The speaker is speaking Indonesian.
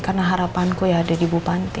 karena harapanku ya ada di ibu panti